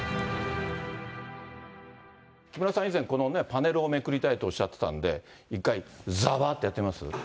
木村さん、以前、このね、パネルをめくりたいとおっしゃってたんで、一回、ざばってやってみます？